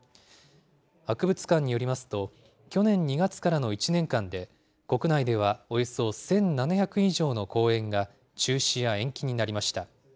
博物館によりますと、去年２月からの１年間で、国内ではおよそ１７００以上の公演が中止や延期になりました。